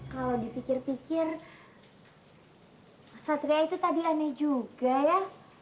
kalau dipikir pikir satria itu tadi aneh juga ya